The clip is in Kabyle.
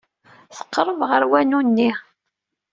Tqerreb ɣer wanu-nni.